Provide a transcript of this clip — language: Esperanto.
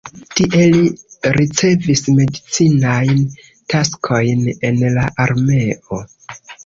Tie li ricevis medicinajn taskojn en la armeo.